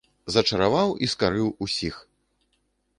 Зачараваў і скарыў усіх!